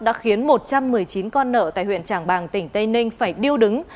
đã khiến một trăm một mươi chín con nợ tại huyện trảng bàng tỉnh tây ninh phải điêu đứng